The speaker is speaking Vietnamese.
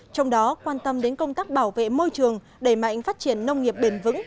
trong đó quan tâm đến công tác bảo vệ môi trường đẩy mạnh phát triển nông nghiệp bền vững